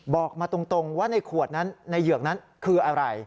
บอกมาตรงว่าในขวดนั้นในเหยือกนั้นคืออะไร